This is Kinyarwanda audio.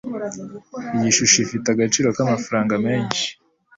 Iyi shusho ifite agaciro k'amafaranga menshi